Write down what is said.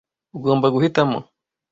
Ugomba guhitamo.